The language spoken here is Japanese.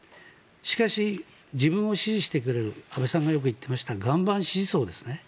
しかし、自分を支持してくれる安倍さんがよく言っていました岩盤支持層ですね。